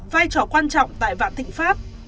vai trò quan trọng tại vạn thịnh pháp